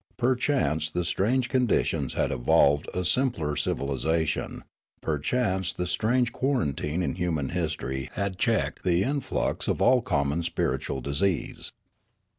Perchance the strange conditions had evolved a sim pler civilisation ; perchance the strange quarantine in human history had checked the influx of all common spiritual disease.